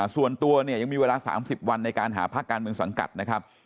ส่วนตัวเนี่ยยังมีเวลา๓๐วันในการหาภาคการเมืองสังกัดนะครับ